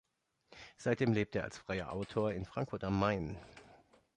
Seitdem lebt er als freier Autor in Frankfurt am Main.